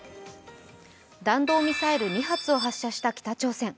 弾道ミサイル２発を発射した北朝鮮。